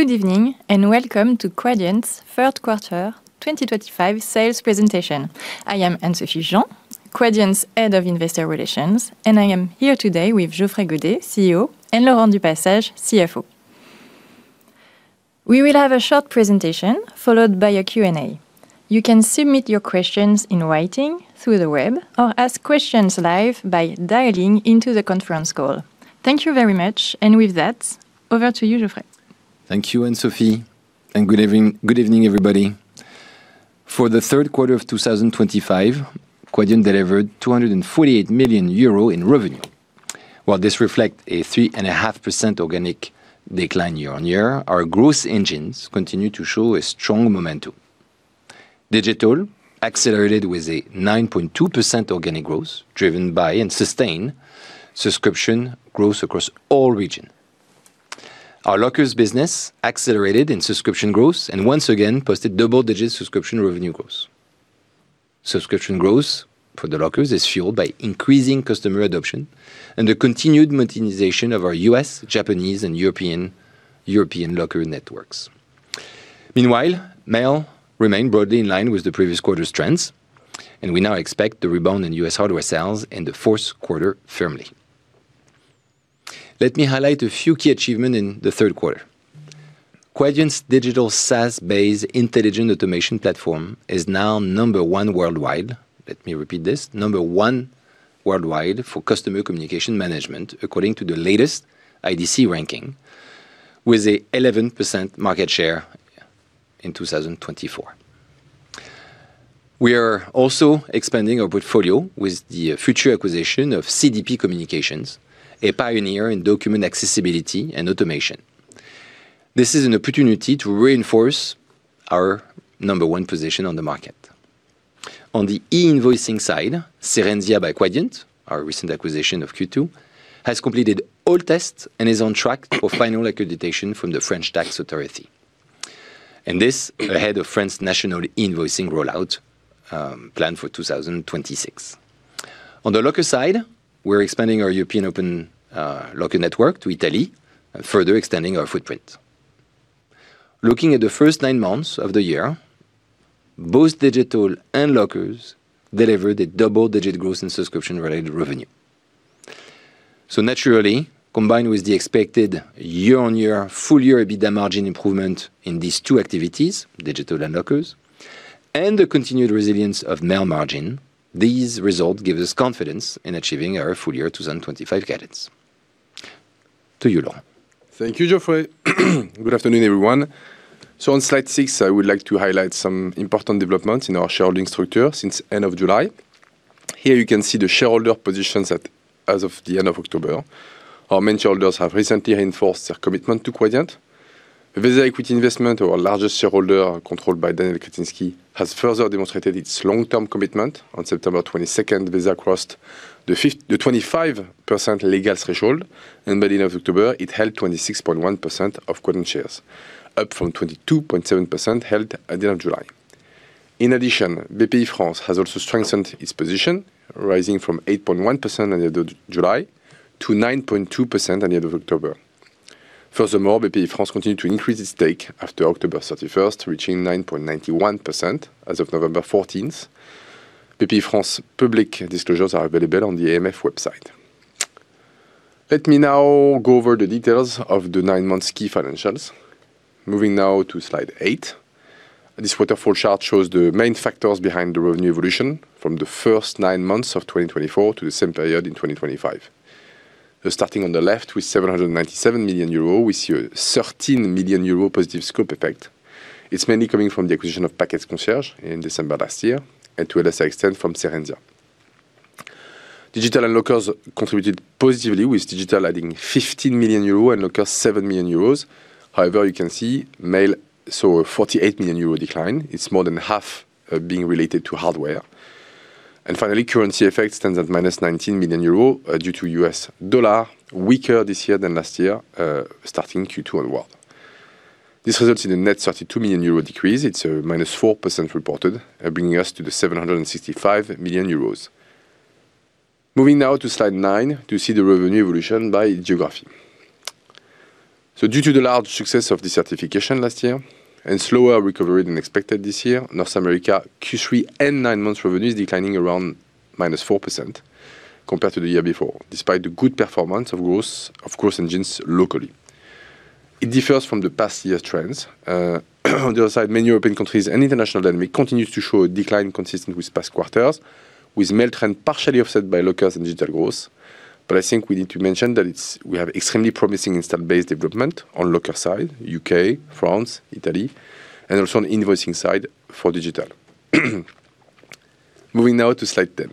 Good evening and welcome to Quadient's third quarter 2025 sales presentation. I am Anne-Sophie Jugean, Quadient's Head of Investor Relations, and I am here today with Geoffrey Godet, CEO, and Laurent Du Passage, CFO. We will have a short presentation followed by a Q&A. You can submit your questions in writing through the web or ask questions live by dialing into the conference call. Thank you very much, and with that, over to you, Geoffrey. Thank you, Anne-Sophie, and good evening, everybody. For the third quarter of 2025, Quadient delivered 248 million euro in revenue. While this reflects a 3.5% organic decline year on year, our growth engines continue to show strong momentum. Digital accelerated with 9.2% organic growth driven by and sustained subscription growth across all regions. Our lockers business accelerated in subscription growth and once again posted double-digit subscription revenue growth. Subscription growth for the lockers is fueled by increasing customer adoption and the continued modernization of our U.S., Japanese, and European locker networks. Meanwhile, mail remained broadly in line with the previous quarter's trends, and we now expect the rebound in U.S. hardware sales in the fourth quarter firmly. Let me highlight a few key achievements in the third quarter. Quadient's digital SaaS-based intelligent automation platform is now number one worldwide. Let me repeat this: number one worldwide for customer communication management, according to the latest IDC ranking, with an 11% market share in 2024. We are also expanding our portfolio with the future acquisition of CDP Communications, a pioneer in document accessibility and automation. This is an opportunity to reinforce our number one position on the market. On the e-invoicing side, Cerenzia by Quadient, our recent acquisition of Q2, has completed all tests and is on track for final accreditation from the French tax authority, and this ahead of France's national e-invoicing rollout planned for 2026. On the locker side, we're expanding our European open locker network to Italy, further extending our footprint. Looking at the first nine months of the year, both digital and lockers delivered a double-digit growth in subscription-related revenue. Naturally, combined with the expected year-on-year full-year EBITDA margin improvement in these two activities, digital and lockers, and the continued resilience of mail margin, these results give us confidence in achieving our full-year 2025 cadence. To you, Laurent. Thank you, Geoffrey. Good afternoon, everyone. On slide six, I would like to highlight some important developments in our shareholding structure since the end of July. Here you can see the shareholder positions as of the end of October. Our main shareholders have recently reinforced their commitment to Quadient. Visa Equity Investment, our largest shareholder controlled by Daniel Kaczynski, has further demonstrated its long-term commitment. On September 22, Visa crossed the 25% legal threshold, and by the end of October, it held 26.1% of current shares, up from 22.7% held at the end of July. In addition, BPI France has also strengthened its position, rising from 8.1% at the end of July to 9.2% at the end of October. Furthermore, BPI France continued to increase its stake after October 31, reaching 9.91% as of November 14. BPI France public disclosures are available on the AMF website. Let me now go over the details of the nine-month key financials. Moving now to slide eight, this waterfall chart shows the main factors behind the revenue evolution from the first nine months of 2024 to the same period in 2025. Starting on the left with 797 million euro, we see a 13 million euro positive scope effect. It is mainly coming from the acquisition of Package Concierge in December last year and, to a lesser extent, from Cerenzia. Digital and lockers contributed positively, with digital adding 15 million euros and lockers 7 million euros. However, you can see mail saw a 48 million euro decline. It is more than half being related to hardware. Finally, currency effect stands at 19 million euro due to U.S. dollar weaker this year than last year, starting Q2 onward. This results in a net 32 million euro decrease. It is a -4% reported, bringing us to the 765 million euros. Moving now to slide nine to see the revenue evolution by geography. Due to the large success of decertification last year and slower recovery than expected this year, North America Q3 and nine-month revenue is declining around -4% compared to the year before, despite the good performance of growth engines locally. It differs from the past year's trends. On the other side, many European countries and international dynamic continues to show a decline consistent with past quarters, with mail trend partially offset by lockers and digital growth. I think we need to mention that we have extremely promising instant-based development on locker side, U.K., France, Italy, and also on invoicing side for digital. Moving now to slide ten.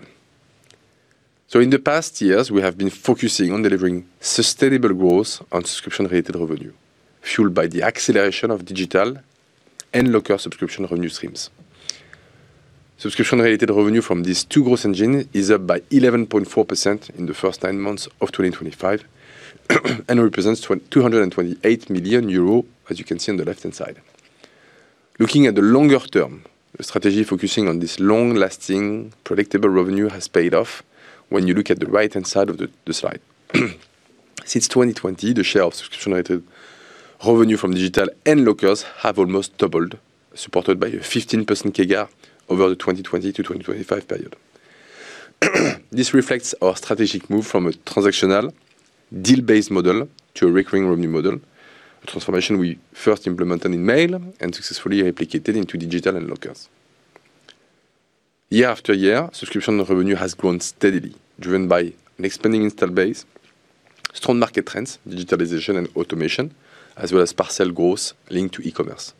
In the past years, we have been focusing on delivering sustainable growth on subscription-related revenue, fueled by the acceleration of digital and locker subscription revenue streams. Subscription-related revenue from these two growth engines is up by 11.4% in the first nine months of 2025 and represents 228 million euros, as you can see on the left-hand side. Looking at the longer term, the strategy focusing on this long-lasting, predictable revenue has paid off when you look at the right-hand side of the slide. Since 2020, the share of subscription-related revenue from digital and lockers have almost doubled, supported by a 15% CAGR over the 2020 to 2025 period. This reflects our strategic move from a transactional, deal-based model to a recurring revenue model, a transformation we first implemented in mail and successfully replicated into digital and lockers. Year after year, subscription revenue has grown steadily, driven by an expanding install base, strong market trends, digitalization and automation, as well as parcel growth linked to e-commerce.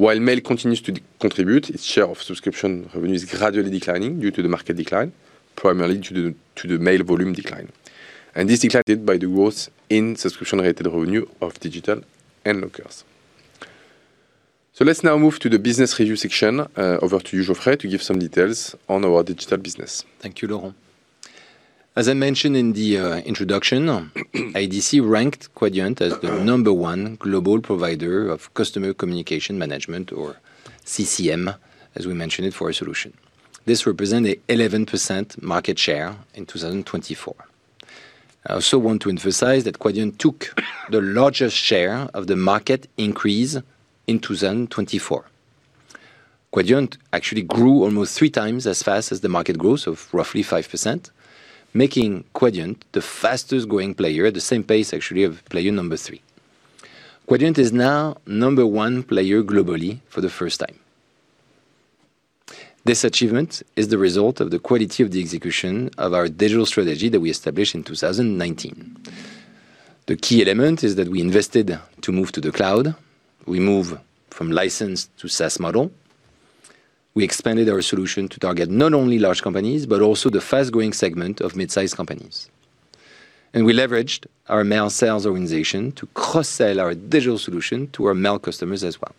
While mail continues to contribute, its share of subscription revenue is gradually declining due to the market decline, primarily due to the mail volume decline. This is declined by the growth in subscription-related revenue of digital and lockers. Let's now move to the business review section. Over to you, Geoffrey, to give some details on our digital business. Thank you, Laurent. As I mentioned in the introduction, IDC ranked Quadient as the number one global provider of customer communication management, or CCM, as we mentioned it, for a solution. This represents an 11% market share in 2024. I also want to emphasize that Quadient took the largest share of the market increase in 2024. Quadient actually grew almost three times as fast as the market growth of roughly 5%, making Quadient the fastest growing player at the same pace, actually, of player number three. Quadient is now number one player globally for the first time. This achievement is the result of the quality of the execution of our digital strategy that we established in 2019. The key element is that we invested to move to the cloud. We moved from licensed to SaaS model. We expanded our solution to target not only large companies, but also the fast-growing segment of mid-sized companies. We leveraged our mail sales organization to cross-sell our digital solution to our mail customers as well.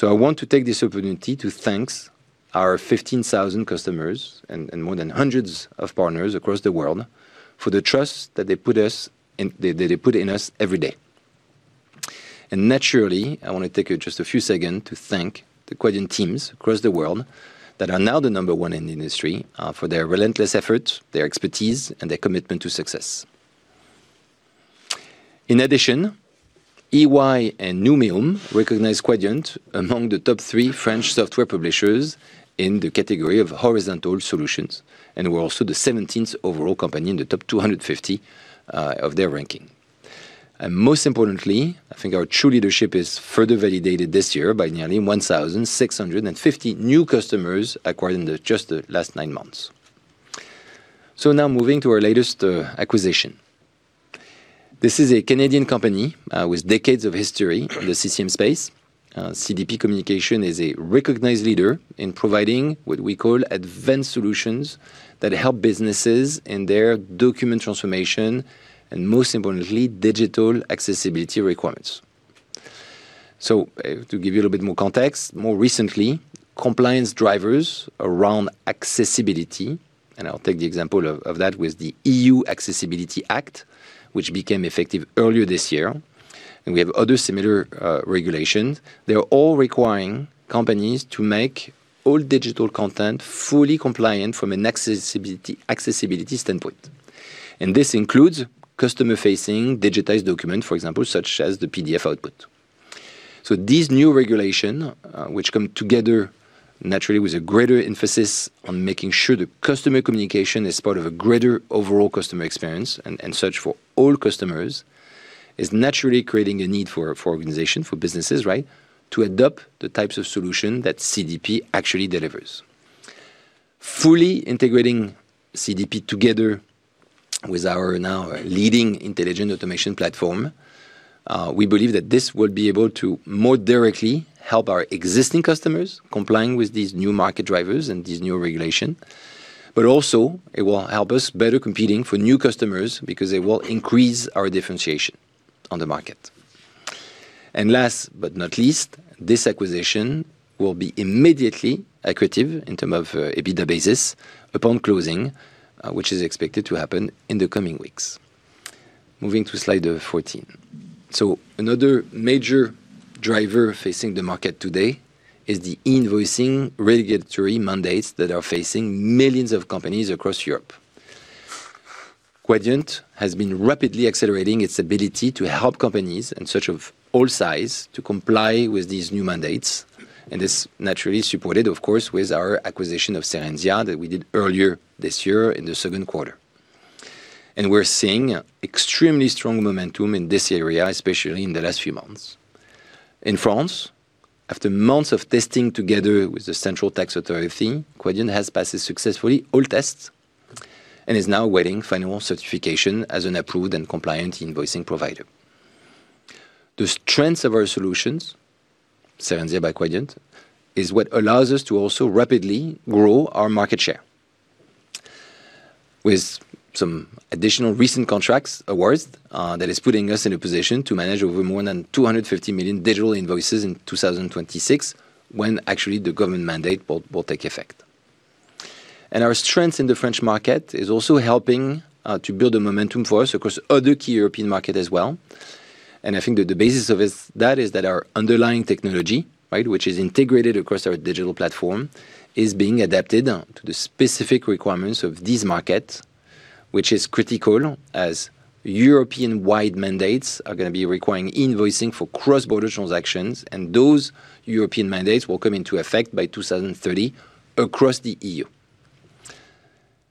I want to take this opportunity to thank our 15,000 customers and more than hundreds of partners across the world for the trust that they put in us every day. Naturally, I want to take just a few seconds to thank the Quadient teams across the world that are now the number one in the industry for their relentless efforts, their expertise, and their commitment to success. In addition, EY and Numeum recognize Quadient among the top three French software publishers in the category of horizontal solutions, and we're also the 17th overall company in the top 250 of their ranking. Most importantly, I think our true leadership is further validated this year by nearly 1,650 new customers acquired in just the last nine months. Now moving to our latest acquisition. This is a Canadian company with decades of history in the CCM space. CDP Communication is a recognized leader in providing what we call advanced solutions that help businesses in their document transformation and, most importantly, digital accessibility requirements. To give you a little bit more context, more recently, compliance drivers around accessibility, and I'll take the example of that with the EU Accessibility Act, which became effective earlier this year. We have other similar regulations. They are all requiring companies to make all digital content fully compliant from an accessibility standpoint. This includes customer-facing digitized documents, for example, such as the PDF output. These new regulations, which come together naturally with a greater emphasis on making sure the customer communication is part of a greater overall customer experience and search for all customers, is naturally creating a need for organizations, for businesses, right, to adopt the types of solutions that CDP actually delivers. Fully integrating CDP together with our now leading intelligent automation platform, we believe that this will be able to more directly help our existing customers complying with these new market drivers and these new regulations. It will also help us better competing for new customers because it will increase our differentiation on the market. Last but not least, this acquisition will be immediately accretive in terms of EBITDA basis upon closing, which is expected to happen in the coming weeks. Moving to slide 14. Another major driver facing the market today is the e-invoicing regulatory mandates that are facing millions of companies across Europe. Quadient has been rapidly accelerating its ability to help companies and such of all size to comply with these new mandates. This naturally is supported, of course, with our acquisition of Cerenzia that we did earlier this year in the second quarter. We are seeing extremely strong momentum in this area, especially in the last few months. In France, after months of testing together with the central tax authority, Quadient has passed successfully all tests and is now awaiting final certification as an approved and compliant e-invoicing provider. The strengths of our solutions, Cerenzia by Quadient, is what allows us to also rapidly grow our market share. With some additional recent contract awards, that is putting us in a position to manage over more than 250 million digital invoices in 2026 when actually the government mandate will take effect. Our strength in the French market is also helping to build a momentum for us across other key European markets as well. I think that the basis of that is that our underlying technology, right, which is integrated across our digital platform, is being adapted to the specific requirements of these markets, which is critical as European-wide mandates are going to be requiring e-invoicing for cross-border transactions. Those European mandates will come into effect by 2030 across the EU.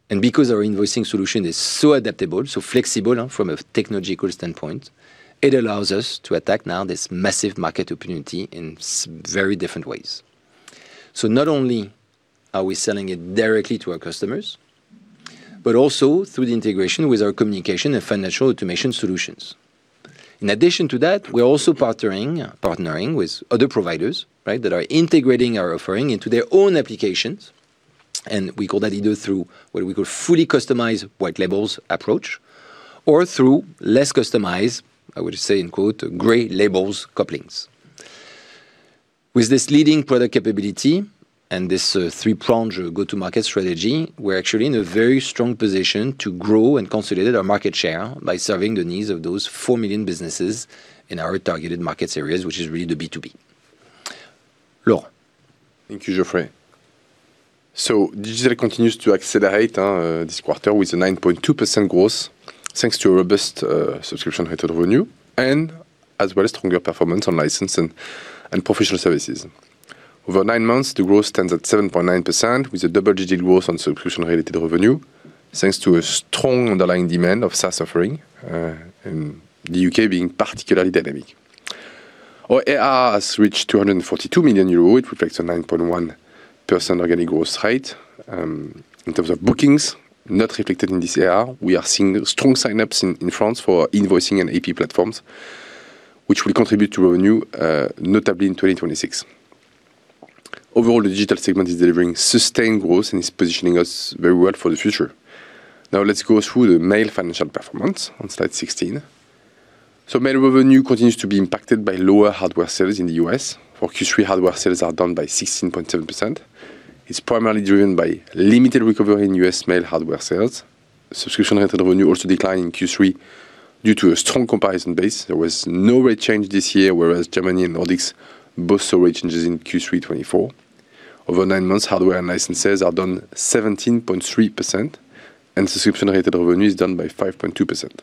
Because our invoicing solution is so adaptable, so flexible from a technological standpoint, it allows us to attack now this massive market opportunity in very different ways. Not only are we selling it directly to our customers, but also through the integration with our communication and financial automation solutions. In addition to that, we're also partnering with other providers, right, that are integrating our offering into their own applications. We call that either through what we call fully customized white labels approach or through less customized, I would say in quote, gray labels couplings. With this leading product capability and this three-pronged go-to-market strategy, we're actually in a very strong position to grow and consolidate our market share by serving the needs of those 4 million businesses in our targeted markets areas, which is really the B2B. Laurent. Thank you, Geoffrey. Digital continues to accelerate this quarter with a 9.2% growth thanks to robust subscription-related revenue as well as stronger performance on licensed and professional services. Over nine months, the growth stands at 7.9% with double-digit growth on subscription-related revenue thanks to strong underlying demand of SaaS offering in the U.K. being particularly dynamic. Our AR has reached 242 million euro. It reflects a 9.1% organic growth rate in terms of bookings not reflected in this AR. We are seeing strong sign-ups in France for invoicing and AP platforms, which will contribute to revenue notably in 2026. Overall, the digital segment is delivering sustained growth and is positioning us very well for the future. Now let's go through the mail financial performance on slide 16. Mail revenue continues to be impacted by lower hardware sales in the U.S. For Q3, hardware sales are down by 16.7%. It's primarily driven by limited recovery in U.S. mail hardware sales. Subscription-related revenue also declined in Q3 due to a strong comparison base. There was no rate change this year, whereas Germany and Nordics both saw rate changes in Q3 2024. Over nine months, hardware and licenses are down 17.3%, and subscription-related revenue is down by 5.2%.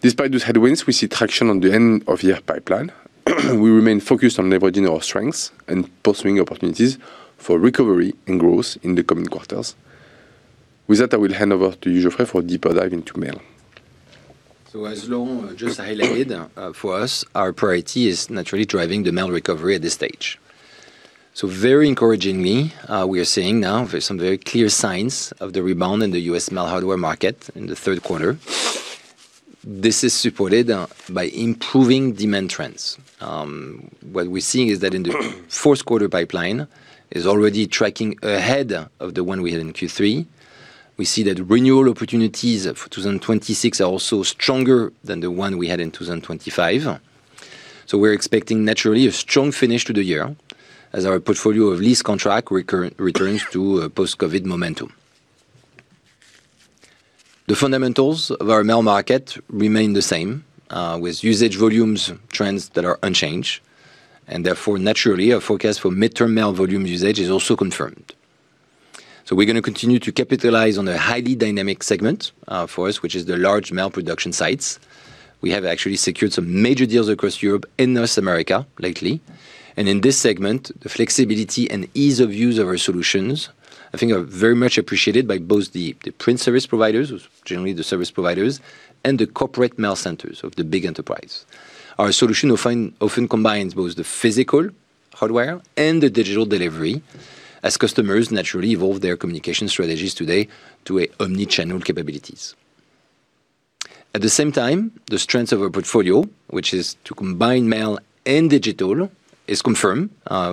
Despite those headwinds, we see traction on the end-of-year pipeline. We remain focused on leveraging our strengths and pursuing opportunities for recovery and growth in the coming quarters. With that, I will hand over to you, Geoffrey, for a deeper dive into mail. As Laurent just highlighted, for us, our priority is naturally driving the mail recovery at this stage. Very encouragingly, we are seeing now some very clear signs of the rebound in the U.S. mail hardware market in the third quarter. This is supported by improving demand trends. What we're seeing is that in the fourth quarter pipeline is already tracking ahead of the one we had in Q3. We see that renewal opportunities for 2026 are also stronger than the one we had in 2025. We're expecting naturally a strong finish to the year as our portfolio of lease contracts returns to post-COVID momentum. The fundamentals of our mail market remain the same, with usage volumes trends that are unchanged. Therefore, naturally, our forecast for mid-term mail volume usage is also confirmed. We're going to continue to capitalize on a highly dynamic segment for us, which is the large mail production sites. We have actually secured some major deals across Europe and North America lately. In this segment, the flexibility and ease of use of our solutions, I think, are very much appreciated by both the print service providers, generally the service providers, and the corporate mail centers of the big enterprise. Our solution often combines both the physical hardware and the digital delivery as customers naturally evolve their communication strategies today to omnichannel capabilities. At the same time, the strength of our portfolio, which is to combine mail and digital, is confirmed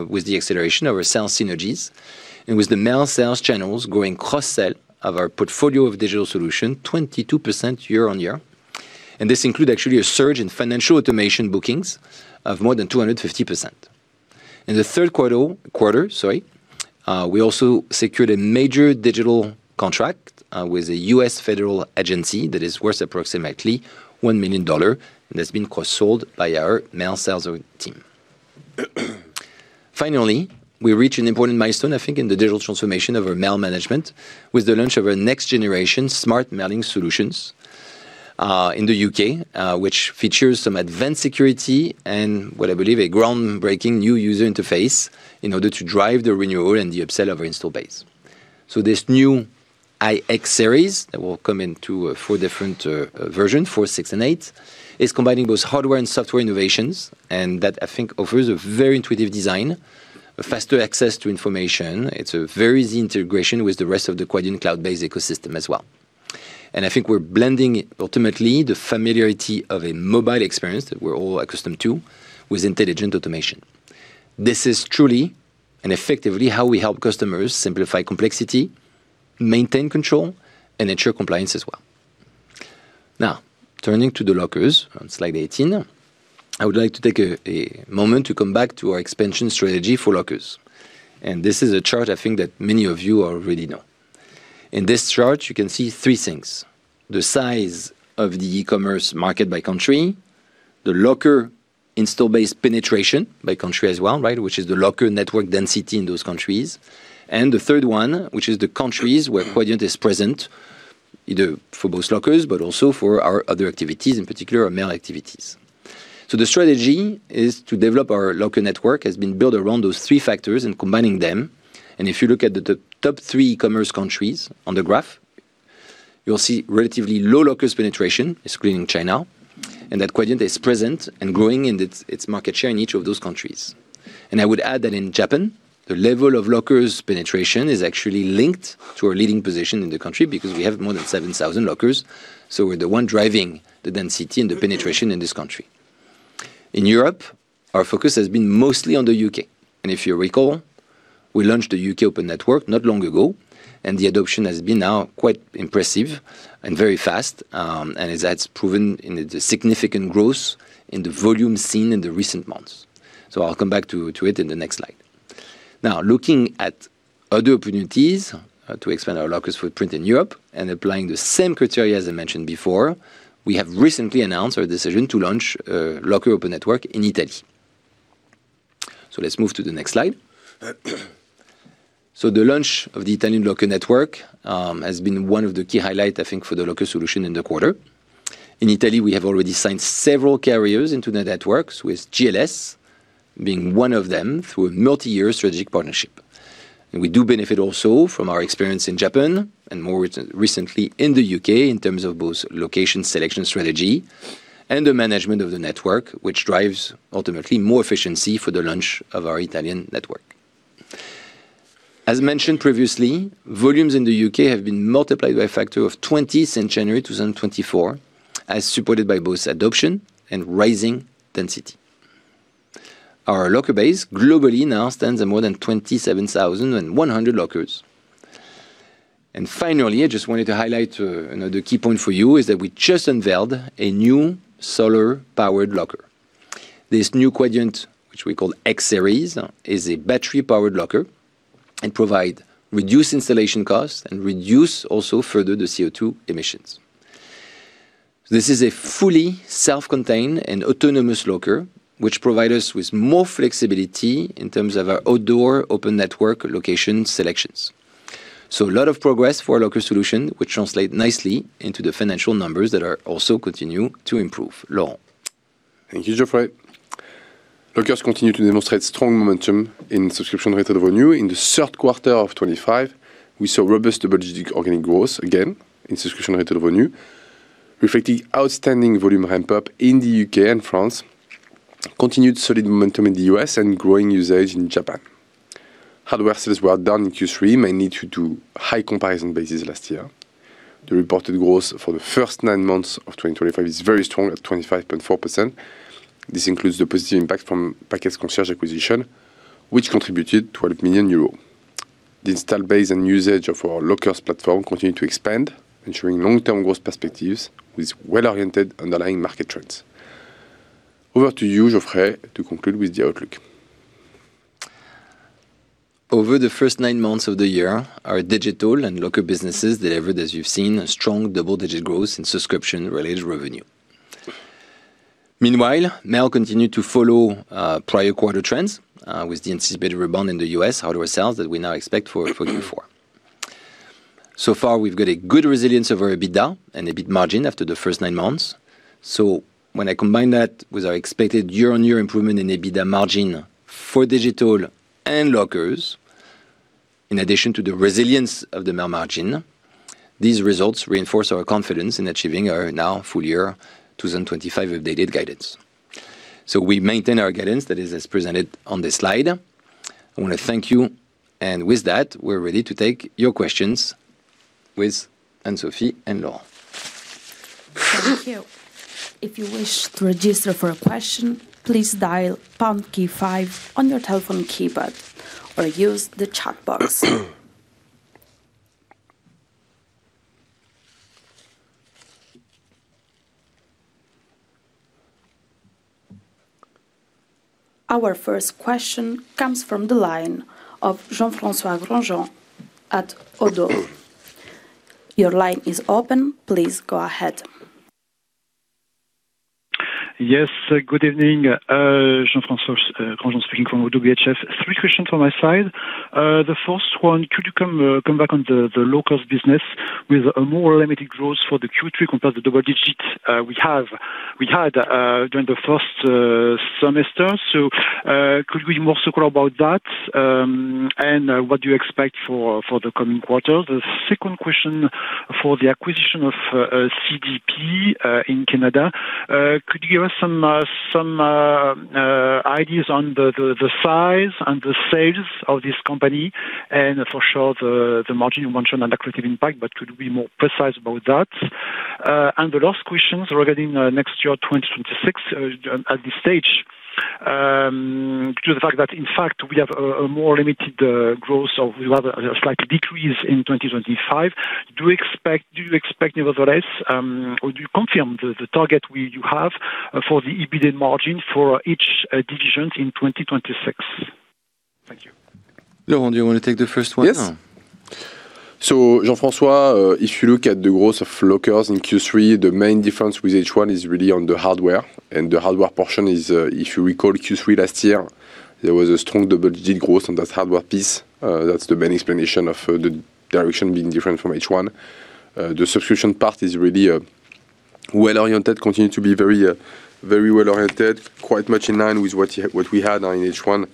with the acceleration of our sales synergies and with the mail sales channels growing cross-sell of our portfolio of digital solutions 22% year on year. This includes actually a surge in financial automation bookings of more than 250%. In the third quarter, sorry, we also secured a major digital contract with a U.S. federal agency that is worth approximately $1 million and has been cross-sold by our mail sales team. Finally, we reached an important milestone, I think, in the digital transformation of our mail management with the launch of our next-generation smart mailing solutions in the U.K., which features some advanced security and what I believe a groundbreaking new user interface in order to drive the renewal and the upsell of our install base. This new IX series that will come in two or four different versions, four, six, and eight, is combining both hardware and software innovations. That, I think, offers a very intuitive design, faster access to information. It's a very easy integration with the rest of the Quadient Cloud-based ecosystem as well. I think we're blending ultimately the familiarity of a mobile experience that we're all accustomed to with intelligent automation. This is truly and effectively how we help customers simplify complexity, maintain control, and ensure compliance as well. Now, turning to the lockers on slide 18, I would like to take a moment to come back to our expansion strategy for lockers. This is a chart, I think, that many of you already know. In this chart, you can see three things: the size of the e-commerce market by country, the locker install base penetration by country as well, right, which is the locker network density in those countries, and the third one, which is the countries where Quadient is present for both lockers, but also for our other activities, in particular our mail activities. The strategy is to develop our locker network has been built around those three factors and combining them. If you look at the top three e-commerce countries on the graph, you'll see relatively low lockers penetration, excluding China, and that Quadient is present and growing in its market share in each of those countries. I would add that in Japan, the level of lockers penetration is actually linked to our leading position in the country because we have more than 7,000 lockers. We're the one driving the density and the penetration in this country. In Europe, our focus has been mostly on the U.K. If you recall, we launched the U.K. Open Network not long ago, and the adoption has been now quite impressive and very fast. That's proven in the significant growth in the volume seen in the recent months. I'll come back to it in the next slide. Now, looking at other opportunities to expand our lockers footprint in Europe and applying the same criteria as I mentioned before, we have recently announced our decision to launch a locker open network in Italy. Let's move to the next slide. The launch of the Italian locker network has been one of the key highlights, I think, for the locker solution in the quarter. In Italy, we have already signed several carriers into the networks, with GLS being one of them through a multi-year strategic partnership. We do benefit also from our experience in Japan and more recently in the U.K. in terms of both location selection strategy and the management of the network, which drives ultimately more efficiency for the launch of our Italian network. As mentioned previously, volumes in the U.K. have been multiplied by a factor of 20 since January 2024, as supported by both adoption and rising density. Our locker base globally now stands at more than 27,100 lockers. Finally, I just wanted to highlight another key point for you is that we just unveiled a new solar-powered locker. This new Quadient, which we call X-Series, is a battery-powered locker. It provides reduced installation costs and reduces also further the CO2 emissions. This is a fully self-contained and autonomous locker, which provides us with more flexibility in terms of our outdoor open network location selections. A lot of progress for our locker solution, which translates nicely into the financial numbers that are also continuing to improve. Laurent. Thank you, Geoffrey. Lockers continue to demonstrate strong momentum in subscription-related revenue. In the third quarter of 2025, we saw robust double-digit organic growth again in subscription-related revenue, reflecting outstanding volume ramp-up in the U.K. and France, continued solid momentum in the U.S., and growing usage in Japan. Hardware sales were down in Q3 mainly due to high comparison bases last year. The reported growth for the first nine months of 2025 is very strong at 25.4%. This includes the positive impact from the Package Concierge acquisition, which contributed 12 million euros. The install base and usage of our lockers platform continue to expand, ensuring long-term growth perspectives with well-oriented underlying market trends. Over to you, Geoffrey, to conclude with the outlook. Over the first nine months of the year, our digital and locker businesses delivered, as you've seen, strong double-digit growth in subscription-related revenue. Meanwhile, mail continued to follow prior quarter trends with the anticipated rebound in the U.S. hardware sales that we now expect for Q4. So far, we've got a good resilience of our EBITDA and EBIT margin after the first nine months. When I combine that with our expected year-on-year improvement in EBITDA margin for digital and lockers, in addition to the resilience of the mail margin, these results reinforce our confidence in achieving our now full-year 2025 updated guidance. We maintain our guidance that is as presented on this slide. I want to thank you. With that, we're ready to take your questions with Anne-Sophie and Laurent. Thank you. If you wish to register for a question, please dial pound key five on your telephone keypad or use the chat box. Our first question comes from the line of Jean-François Granjon at ODDO. Your line is open. Please go ahead. Yes, good evening. Jean-François Granjon speaking from OWHF. Three questions from my side. The first one, could you come back on the lockers business? With a more limited growth for the Q3 compared to the double-digit we had during the first semester? Could you be more circular about that and what do you expect for the coming quarter? The second question for the acquisition of CDP in Canada. Could you give us some ideas on the size and the sales of this company and for sure the margin you mentioned and the accretive impact, but could you be more precise about that? The last question regarding next year 2026 at this stage, due to the fact that in fact we have a more limited growth or we have a slight decrease in 2025, do you expect nevertheless, or do you confirm the target you have for the EBITDA margin for each division in 2026? Thank you. Laurent, do you want to take the first one? Yes. Jean-François, if you look at the growth of lockers in Q3, the main difference with H1 is really on the hardware. The hardware portion is, if you recall Q3 last year, there was a strong double-digit growth on that hardware piece. That is the main explanation of the direction being different from H1. The subscription part is really well-oriented, continues to be very well-oriented, quite much in line with what we had in H1.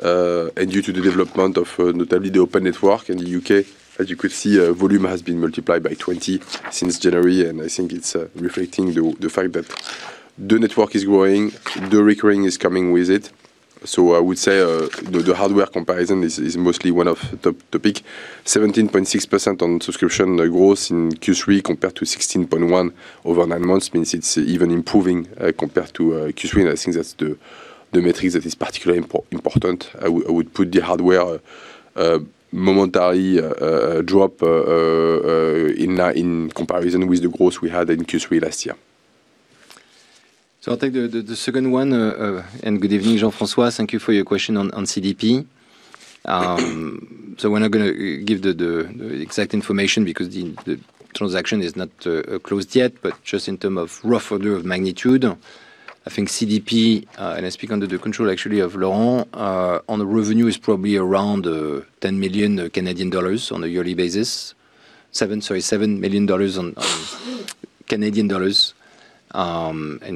Due to the development of notably the open network in the U.K., as you could see, volume has been multiplied by 20 since January. I think it is reflecting the fact that the network is growing, the recurring is coming with it. I would say the hardware comparison is mostly one of the top topics. 17.6% on subscription growth in Q3 compared to 16.1% over nine months means it's even improving compared to Q3. I think that's the metric that is particularly important. I would put the hardware momentarily drop in comparison with the growth we had in Q3 last year. I'll take the second one. Good evening, Jean-François. Thank you for your question on CDP. We're not going to give the exact information because the transaction is not closed yet, but just in terms of rough order of magnitude, I think CDP, and I speak under the control actually of Laurent, on the revenue is probably around 10 million Canadian dollars on a yearly basis. Sorry, 7 million dollars in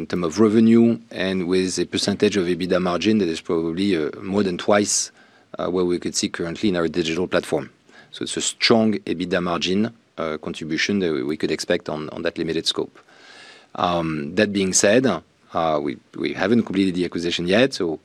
terms of revenue and with a percentage of EBITDA margin that is probably more than twice what we could see currently in our digital platform. It's a strong EBITDA margin contribution that we could expect on that limited scope. That being said, we haven't completed the acquisition yet, so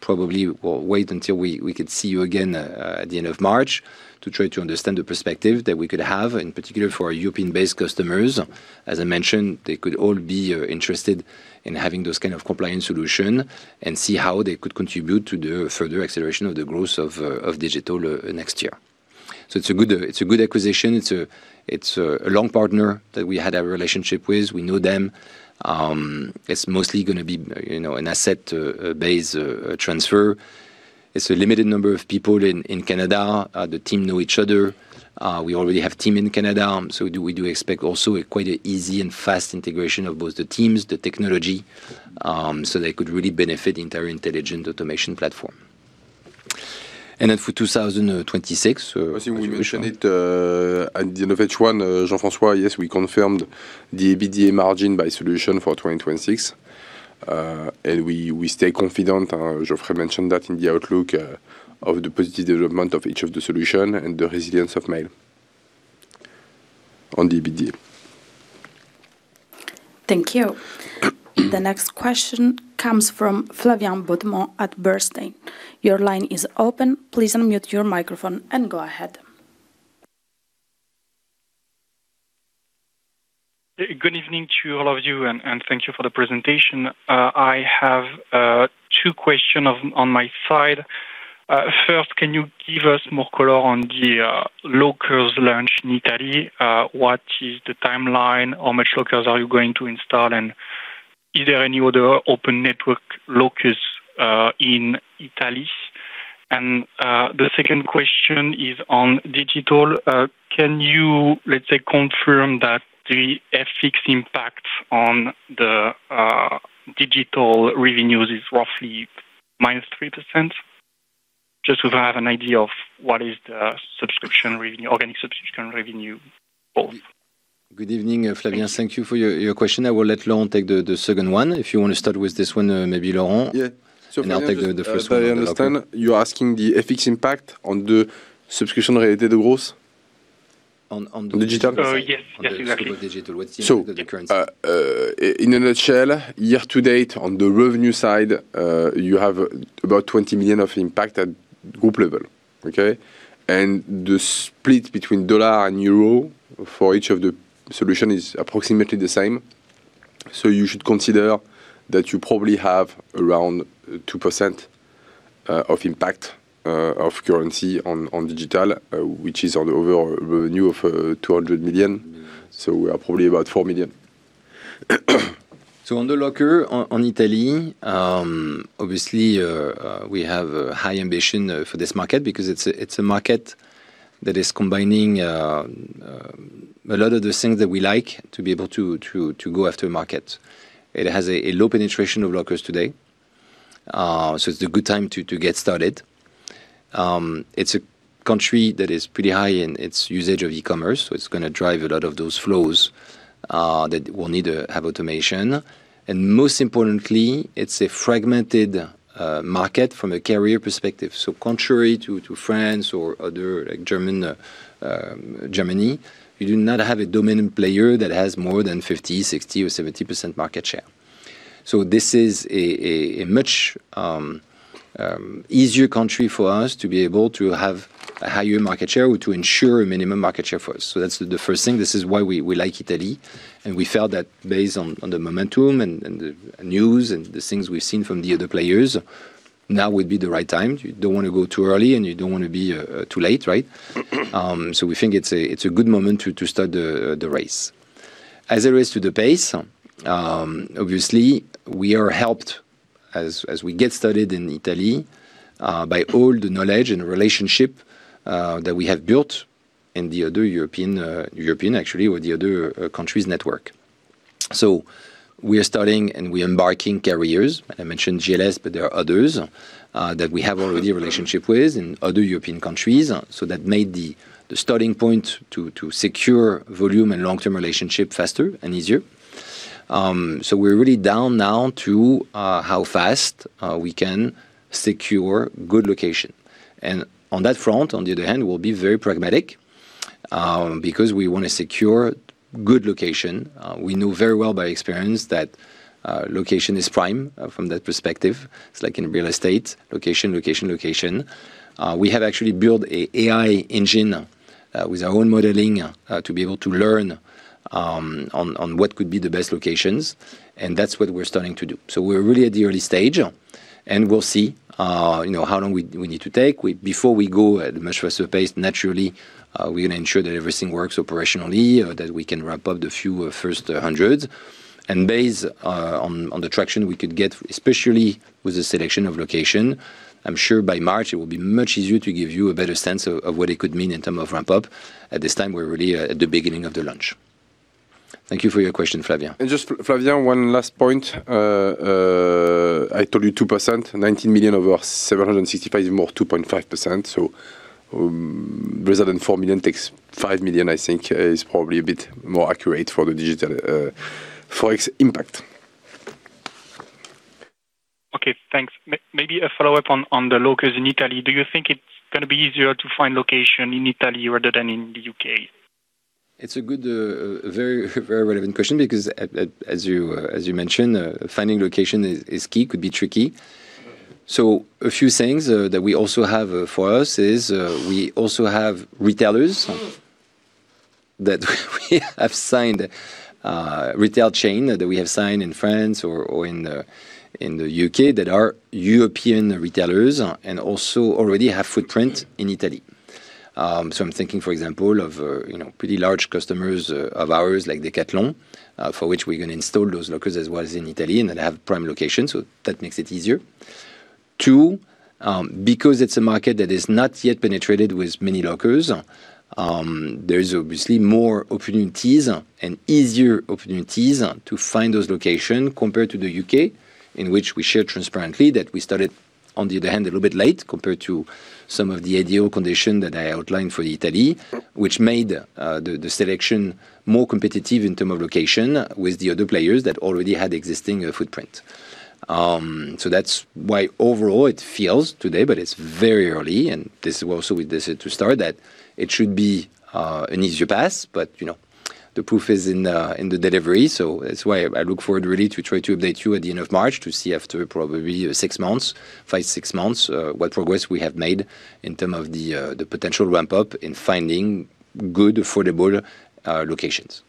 probably we'll wait until we could see you again at the end of March to try to understand the perspective that we could have in particular for European-based customers. As I mentioned, they could all be interested in having those kinds of compliance solutions and see how they could contribute to the further acceleration of the growth of digital next year. It's a good acquisition. It's a long partner that we had our relationship with. We know them. It's mostly going to be an asset-based transfer. It's a limited number of people in Canada. The team know each other. We already have team in Canada. We do expect also quite an easy and fast integration of both the teams, the technology, so they could really benefit the entire intelligent automation platform. Then for 2026. As you mentioned it at the end of H1, Jean-François, yes, we confirmed the EBITDA margin by solution for 2026. We stay confident, Geoffrey mentioned that in the outlook of the positive development of each of the solutions and the resilience of mail on the EBITDA. Thank you. The next question comes from Flavien Baudemont at Bernstein. Your line is open. Please unmute your microphone and go ahead. Good evening to all of you, and thank you for the presentation. I have two questions on my side. First, can you give us more color on the lockers launch in Italy? What is the timeline? How many lockers are you going to install? Is there any other open network lockers in Italy? The second question is on digital. Can you, let's say, confirm that the FX impact on the digital revenues is roughly -3%? Just to have an idea of what is the subscription revenue, organic subscription revenue growth. Good evening, Flavien. Thank you for your question. I will let Laurent take the second one. If you want to start with this one, maybe Laurent, and I'll take the first one. I understand you're asking the FX impact on the subscription-related growth. On digital? Yes, yes, exactly. Digital. What's the current? In a nutshell, year to date on the revenue side, you have about $20 million of impact at group level, okay? The split between dollar and euro for each of the solutions is approximately the same. You should consider that you probably have around 2% of impact of currency on digital, which is on over a revenue of $200 million. We are probably about $4 million. On the locker in Italy, obviously, we have high ambition for this market because it's a market that is combining a lot of the things that we like to be able to go after market. It has a low penetration of lockers today. It's a good time to get started. It's a country that is pretty high in its usage of e-commerce. It's going to drive a lot of those flows that will need to have automation. Most importantly, it's a fragmented market from a carrier perspective. Contrary to France or Germany, you do not have a dominant player that has more than 50%, 60%, or 70% market share. This is a much easier country for us to be able to have a higher market share or to ensure a minimum market share for us. That's the first thing. This is why we like Italy. We felt that based on the momentum and the news and the things we've seen from the other players, now would be the right time. You don't want to go too early and you don't want to be too late, right? We think it's a good moment to start the race. As it relates to the pace, obviously, we are helped as we get started in Italy by all the knowledge and relationship that we have built in the other European, actually, or the other countries' network. We are starting and we are embarking carriers. I mentioned GLS, but there are others that we have already a relationship with in other European countries. That made the starting point to secure volume and long-term relationship faster and easier. We're really down now to how fast we can secure good location. On that front, on the other hand, we'll be very pragmatic because we want to secure good location. We know very well by experience that location is prime from that perspective. It's like in real estate, location, location, location. We have actually built an AI engine with our own modeling to be able to learn on what could be the best locations. That's what we're starting to do. We're really at the early stage. We'll see how long we need to take. Before we go at the much faster pace, naturally, we're going to ensure that everything works operationally, that we can ramp up the few first hundreds. Based on the traction we could get, especially with the selection of location, I'm sure by March it will be much easier to give you a better sense of what it could mean in terms of ramp-up. At this time, we're really at the beginning of the launch. Thank you for your question, Flavien. Flavien, one last point. I told you 2%, 19 million over 765 is more 2.5%. So rather than 4 million, takes 5 million, I think is probably a bit more accurate for the digital forex impact. Okay, thanks. Maybe a follow-up on the lockers in Italy. Do you think it's going to be easier to find location in Italy rather than in the U.K.? It's a very relevant question because, as you mentioned, finding location is key, could be tricky. A few things that we also have for us is we also have retailers that we have signed, retail chain that we have signed in France or in the U.K. that are European retailers and also already have footprint in Italy. I'm thinking, for example, of pretty large customers of ours, like Decathlon, for which we're going to install those lockers as well as in Italy and have prime location. That makes it easier. Two, because it's a market that is not yet penetrated with many lockers, there's obviously more opportunities and easier opportunities to find those locations compared to the U.K., in which we share transparently that we started, on the other hand, a little bit late compared to some of the ideal conditions that I outlined for Italy, which made the selection more competitive in terms of location with the other players that already had existing footprint. That is why overall it feels today, but it's very early. This is also with this to start, that it should be an easier path, but the proof is in the delivery. That is why I look forward really to try to update you at the end of March to see after probably six months, five, six months, what progress we have made in terms of the potential ramp-up in finding good, affordable locations.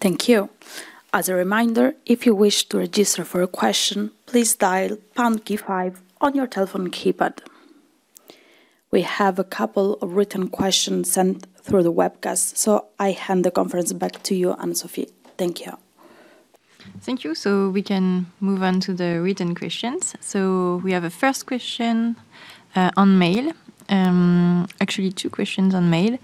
Thank you. As a reminder, if you wish to register for a question, please dial pound key 5 on your telephone keypad. We have a couple of written questions sent through the webcast, so I hand the conference back to you, Anne-Sophie. Thank you. Thank you. We can move on to the written questions. We have a first question on mail. Actually, two questions on mail.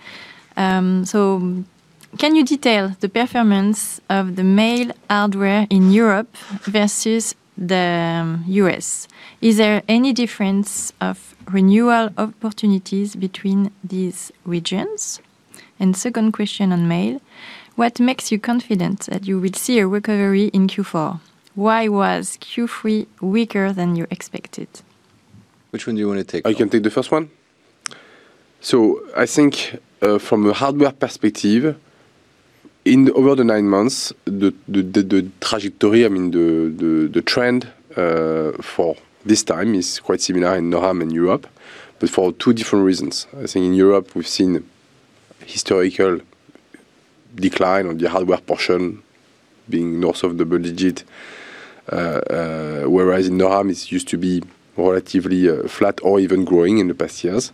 Can you detail the performance of the mail hardware in Europe versus the U.S.? Is there any difference of renewal opportunities between these regions? Second question on mail. What makes you confident that you will see a recovery in Q4? Why was Q3 weaker than you expected? Which one do you want to take? I can take the first one. I think from a hardware perspective, over the nine months, the trajectory, I mean, the trend for this time is quite similar in NORAM and Europe, but for two different reasons. I think in Europe, we've seen historical decline of the hardware portion being north of double digit, whereas in NORAM, it used to be relatively flat or even growing in the past years.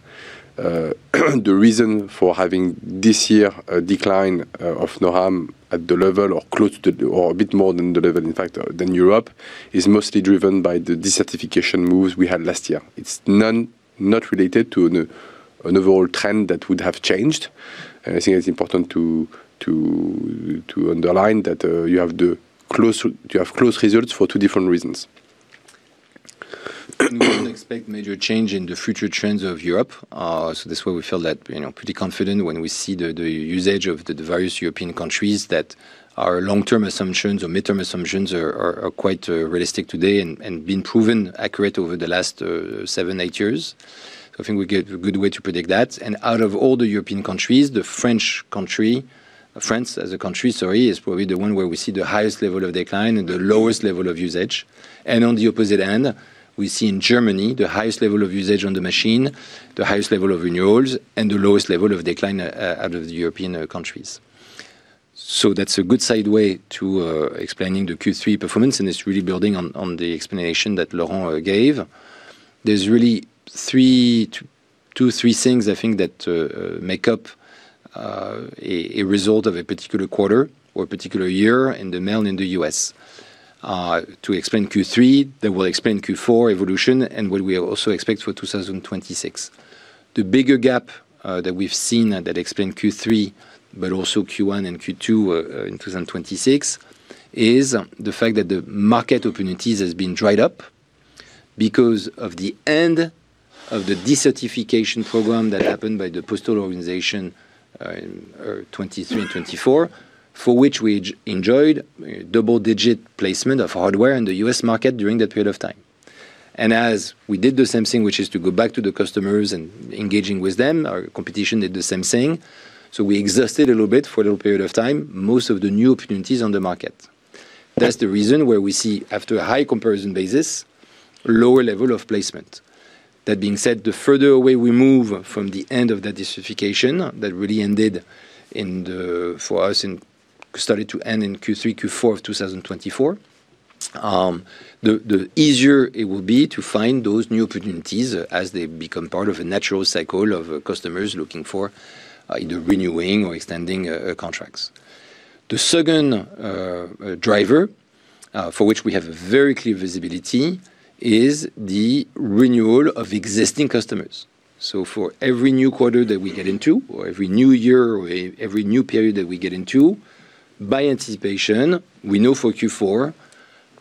The reason for having this year a decline of NORAM at the level or close to the or a bit more than the level, in fact, than Europe is mostly driven by the desertification moves we had last year. It's not related to an overall trend that would have changed. I think it's important to underline that you have close results for two different reasons. We don't expect major change in the future trends of Europe. That's why we felt pretty confident when we see the usage of the various European countries that our long-term assumptions or midterm assumptions are quite realistic today and have been proven accurate over the last seven, eight years. I think we get a good way to predict that. Out of all the European countries, the French country, France as a country, sorry, is probably the one where we see the highest level of decline and the lowest level of usage. On the opposite end, we see in Germany the highest level of usage on the machine, the highest level of renewals, and the lowest level of decline out of the European countries. That's a good segue to explaining the Q3 performance, and it's really building on the explanation that Laurent gave. are really two, three things I think that make up a result of a particular quarter or a particular year in the mail and in the U.S.. To explain Q3, that will explain Q4 evolution and what we also expect for 2026. The bigger gap that we've seen that explained Q3, but also Q1 and Q2 in 2026, is the fact that the market opportunities have been dried up because of the end of the desertification program that happened by the postal organization in 2023 and 2024, for which we enjoyed double-digit placement of hardware in the U.S. market during that period of time. As we did the same thing, which is to go back to the customers and engaging with them, our competition did the same thing. We exhausted a little bit for a little period of time, most of the new opportunities on the market. That's the reason where we see, after a high comparison basis, lower level of placement. That being said, the further away we move from the end of that desertification that really ended for us and started to end in Q3, Q4 of 2024, the easier it will be to find those new opportunities as they become part of a natural cycle of customers looking for either renewing or extending contracts. The second driver for which we have very clear visibility is the renewal of existing customers. For every new quarter that we get into, or every new year, or every new period that we get into, by anticipation, we know for Q4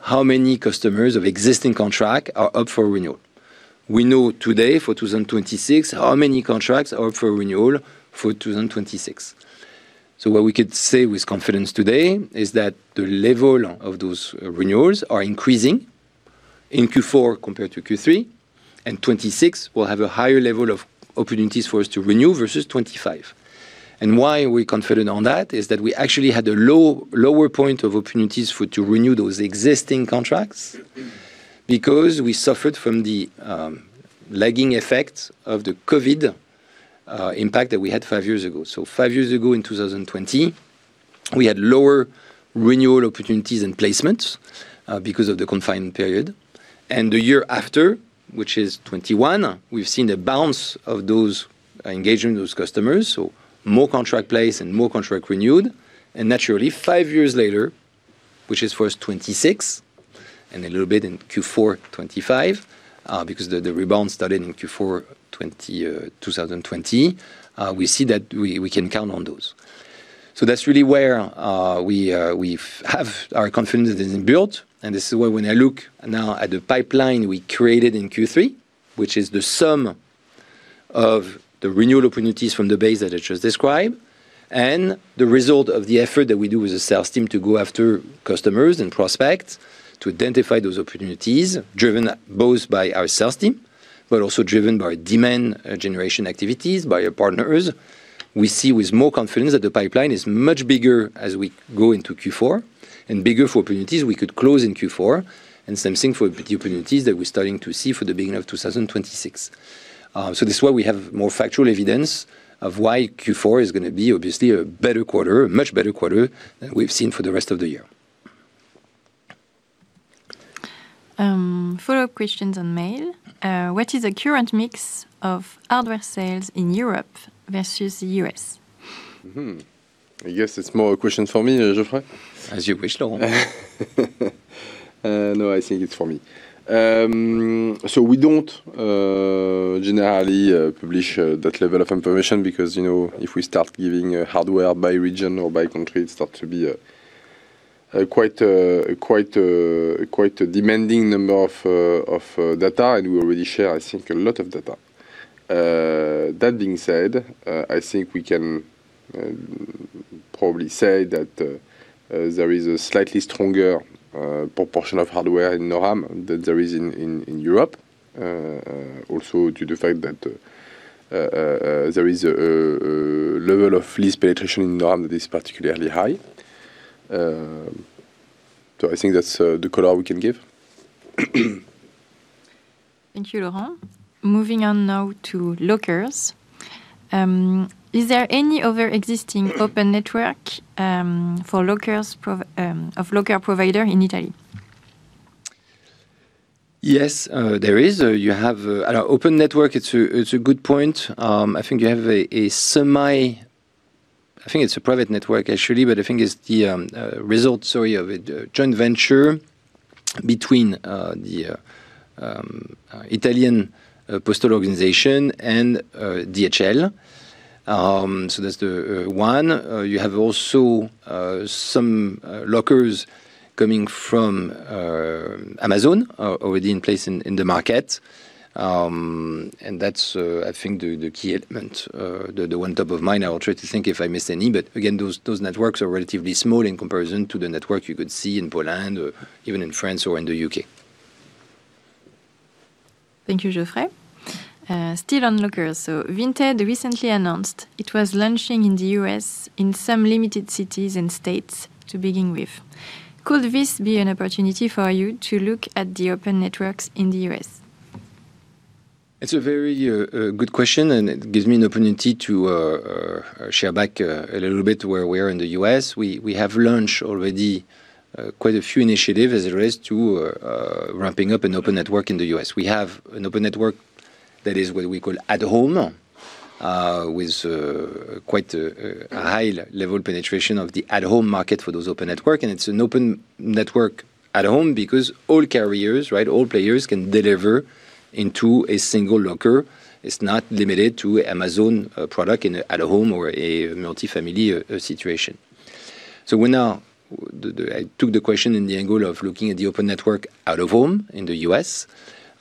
how many customers of existing contract are up for renewal. We know today for 2026 how many contracts are up for renewal for 2026. What we could say with confidence today is that the level of those renewals are increasing in Q4 compared to Q3, and 2026 will have a higher level of opportunities for us to renew versus 2025. Why we're confident on that is that we actually had a lower point of opportunities to renew those existing contracts because we suffered from the lagging effect of the COVID impact that we had five years ago. Five years ago in 2020, we had lower renewal opportunities and placements because of the confined period. The year after, which is 2021, we've seen a bounce of those engagement, those customers, so more contract placed and more contract renewed. Naturally, five years later, which is for us 2026, and a little bit in Q4 2025, because the rebound started in Q4 2020, we see that we can count on those. That's really where we have our confidence that has been built. This is why when I look now at the pipeline we created in Q3, which is the sum of the renewal opportunities from the base that I just described, and the result of the effort that we do with the sales team to go after customers and prospects to identify those opportunities driven both by our sales team, but also driven by demand generation activities by our partners, we see with more confidence that the pipeline is much bigger as we go into Q4 and bigger for opportunities we could close in Q4, and same thing for the opportunities that we're starting to see for the beginning of 2026. This is why we have more factual evidence of why Q4 is going to be obviously a better quarter, a much better quarter than we've seen for the rest of the year. Follow-up questions on Mail. What is the current mix of hardware sales in Europe versus the U.S.? I guess it's more a question for me, Geoffrey. As you wish, Laurent. No, I think it's for me. We don't generally publish that level of information because if we start giving hardware by region or by country, it starts to be quite a demanding number of data, and we already share, I think, a lot of data. That being said, I think we can probably say that there is a slightly stronger proportion of hardware in NORAM than there is in Europe, also due to the fact that there is a level of lease penetration in NORAM that is particularly high. I think that's the color we can give. Thank you, Laurent. Moving on now to lockers. Is there any other existing open network for lockers or locker provider in Italy? Yes, there is. You have an open network. It's a good point. I think you have a semi—I think it's a private network, actually, but I think it's the result, sorry, of a joint venture between the Italian postal organization and DHL. That's the one. You have also some lockers coming from Amazon already in place in the market. That's, I think, the key element, the one top of mind. I will try to think if I missed any. Again, those networks are relatively small in comparison to the network you could see in Poland, even in France or in the U.K. Thank you, Geoffrey. Steven Lockers. Vinted recently announced it was launching in the U.S. in some limited cities and states to begin with. Could this be an opportunity for you to look at the open networks in the U.S.? It's a very good question, and it gives me an opportunity to share back a little bit where we are in the U.S. We have launched already quite a few initiatives as it relates to ramping up an open network in the U.S. We have an open network that is what we call at home, with quite a high level penetration of the at-home market for those open network. And it's an open network at home because all carriers, right, all players can deliver into a single locker. It's not limited to Amazon product in an at-home or a multi-family situation. I took the question in the angle of looking at the open network out of home in the U.S.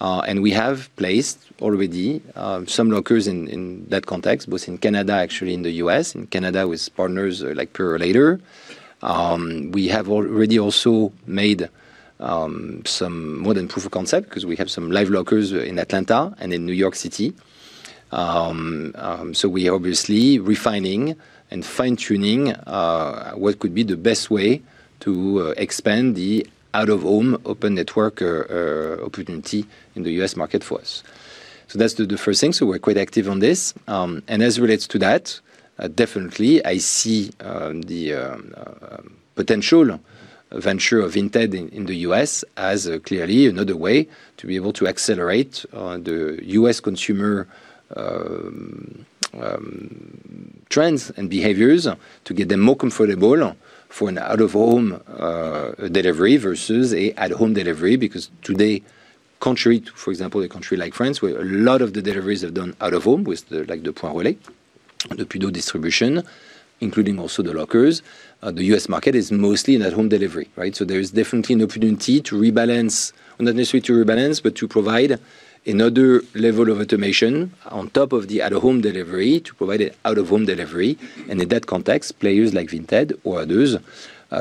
We have placed already some lockers in that context, both in Canada, actually, in the U.S., in Canada with partners like Purolator. We have already also made some more than proof of concept because we have some live lockers in Atlanta and in New York City. We are obviously refining and fine-tuning what could be the best way to expand the out-of-home open network opportunity in the U.S. market for us. That's the first thing. We're quite active on this. As it relates to that, definitely, I see the potential venture of Vinted in the U.S. as clearly another way to be able to accelerate the U.S. consumer trends and behaviors to get them more comfortable for an out-of-home delivery versus an at-home delivery because today, contrary, for example, to a country like France, where a lot of the deliveries are done out of home with the point relais, the pudos distribution, including also the lockers, the U.S. market is mostly an at-home delivery, right? There is definitely an opportunity to rebalance, not necessarily to rebalance, but to provide another level of automation on top of the out-of-home delivery to provide an out-of-home delivery. In that context, players like Vinted or others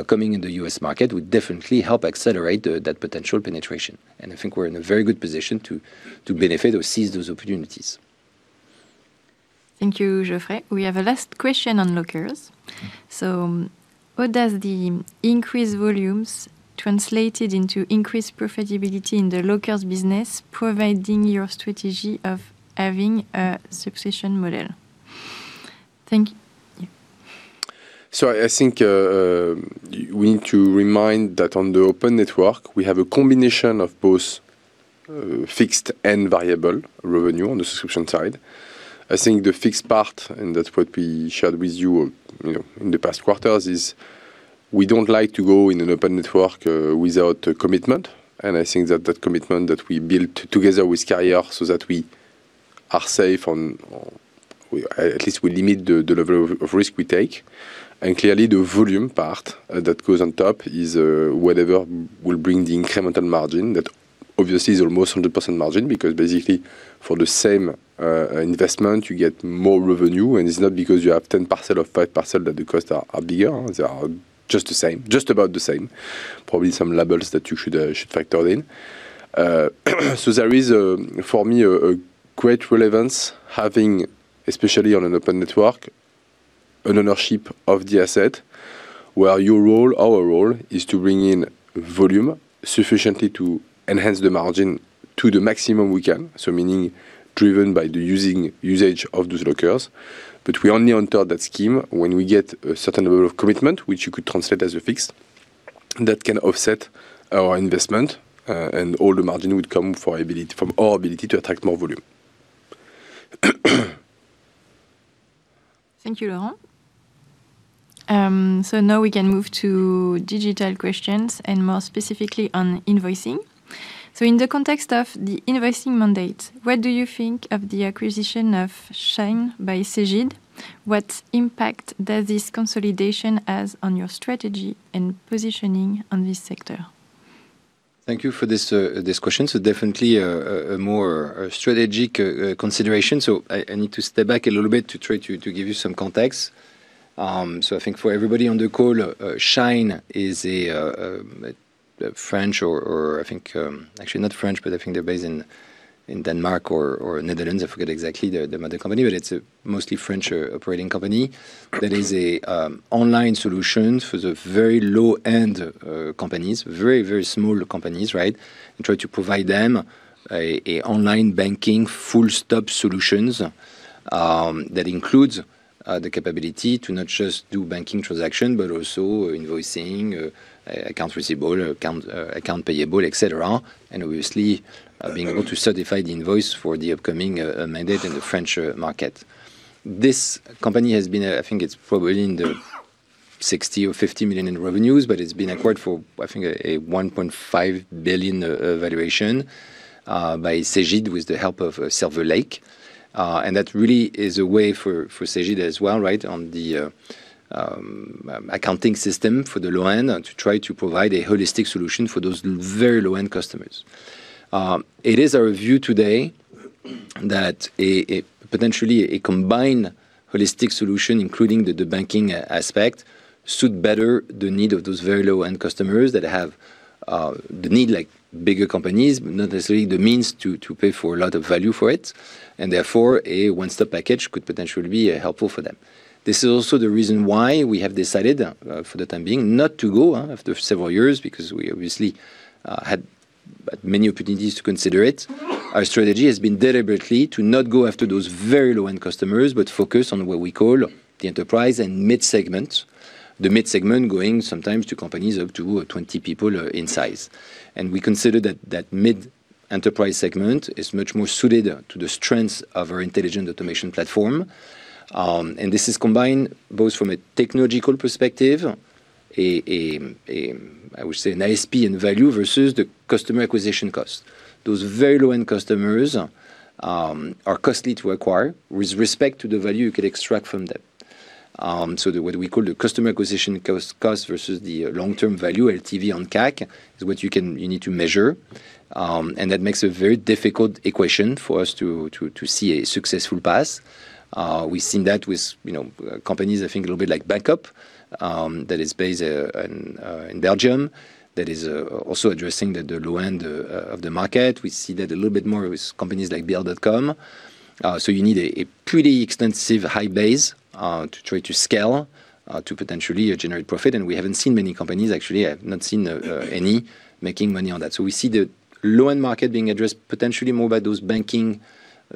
coming in the U.S. market would definitely help accelerate that potential penetration. I think we're in a very good position to benefit or seize those opportunities. Thank you, Geoffrey. We have a last question on lockers. What does the increased volumes translated into increased profitability in the lockers business provide your strategy of having a succession model? Thank you. I think we need to remind that on the open network, we have a combination of both fixed and variable revenue on the subscription side. I think the fixed part, and that's what we shared with you in the past quarters, is we don't like to go in an open network without commitment. I think that that commitment that we built together with carriers so that we are safe, at least we limit the level of risk we take. Clearly, the volume part that goes on top is whatever will bring the incremental margin that obviously is almost 100% margin because basically, for the same investment, you get more revenue. It's not because you have 10 parcels or 5 parcels that the costs are bigger. They are just the same, just about the same. Probably some levels that you should factor in. There is, for me, a great relevance having, especially on an open network, an ownership of the asset where your role, our role is to bring in volume sufficiently to enhance the margin to the maximum we can, meaning driven by the usage of those lockers. We only enter that scheme when we get a certain level of commitment, which you could translate as a fixed that can offset our investment, and all the margin would come from our ability to attract more volume. Thank you, Laurent. Now we can move to digital questions and more specifically on invoicing. In the context of the invoicing mandate, what do you think of the acquisition of Shine by Cegid? What impact does this consolidation have on your strategy and positioning on this sector? Thank you for this question. Definitely a more strategic consideration. I need to step back a little bit to try to give you some context. I think for everybody on the call, Shine is a French or I think actually not French, but I think they're based in Denmark or Netherlands. I forget exactly the company name, but it's a mostly French operating company that is an online solution for the very low-end companies, very, very small companies, right, and try to provide them an online banking full-stop solution that includes the capability to not just do banking transactions, but also invoicing, accounts receivable, account payable, etc., and obviously being able to certify the invoice for the upcoming mandate in the French market. This company has been, I think it's probably in the $60 million or $50 million in revenues, but it's been acquired for, I think, a $1.5 billion valuation by Cegid with the help of Silver Lake. That really is a way for Cegid as well, right, on the accounting system for the low-end to try to provide a holistic solution for those very low-end customers. It is our view today that potentially a combined holistic solution, including the banking aspect, suits better the need of those very low-end customers that have the need like bigger companies, not necessarily the means to pay for a lot of value for it. Therefore, a one-stop package could potentially be helpful for them. This is also the reason why we have decided for the time being not to go after several years because we obviously had many opportunities to consider it. Our strategy has been deliberately to not go after those very low-end customers, but focus on what we call the enterprise and mid-segment, the mid-segment going sometimes to companies up to 20 people in size. We consider that that mid-enterprise segment is much more suited to the strengths of our intelligent automation platform. This is combined both from a technological perspective, I would say an ISP and value versus the customer acquisition cost. Those very low-end customers are costly to acquire with respect to the value you can extract from them. What we call the customer acquisition cost versus the long-term value, LTV on CAC, is what you need to measure. That makes a very difficult equation for us to see a successful pass. We've seen that with companies, I think, a little bit like Bankop that is based in Belgium that is also addressing the low-end of the market. We see that a little bit more with companies like Beyond.com. You need a pretty extensive high base to try to scale to potentially generate profit. We haven't seen many companies, actually. I have not seen any making money on that. We see the low-end market being addressed potentially more by those banking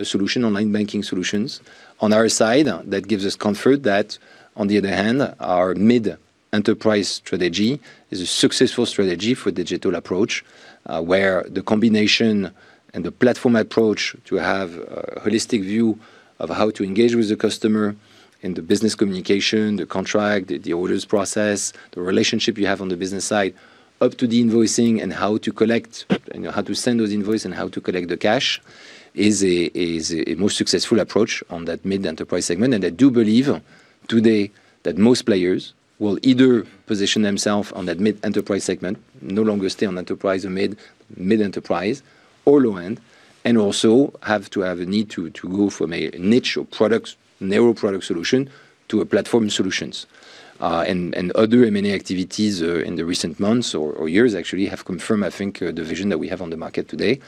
solutions, online banking solutions. On our side, that gives us comfort that on the other hand, our mid-enterprise strategy is a successful strategy for digital approach where the combination and the platform approach to have a holistic view of how to engage with the customer in the business communication, the contract, the orders process, the relationship you have on the business side up to the invoicing and how to collect, how to send those invoices and how to collect the cash is a more successful approach on that mid-enterprise segment. I do believe today that most players will either position themselves on that mid-enterprise segment, no longer stay on enterprise or mid-enterprise or low-end, and also have to have a need to go from a niche or product, narrow product solution to a platform solutions. Other M&A activities in the recent months or years actually have confirmed, I think, the vision that we have on the market today.